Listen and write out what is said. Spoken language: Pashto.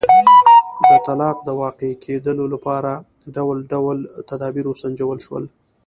د طلاق د واقع کېدو لپاره ډول ډول تدابیر وسنجول شول.